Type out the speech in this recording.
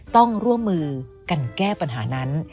ต้องร่วมมือกันแก้ปัญหานั้น